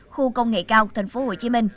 khu công nghệ cao tp hcm